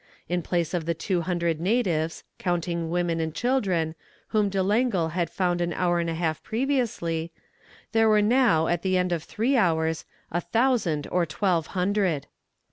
In place of the two hundred natives, counting women and children, whom De Langle had found an hour and a half previously, there were now, at the end of three hours, a thousand or twelve hundred.